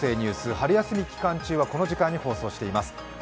春休み期間中はこの時間に放送しています。